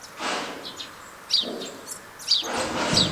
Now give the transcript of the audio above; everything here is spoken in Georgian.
ამას რამდენიმე მიზეზი ჰქონდა.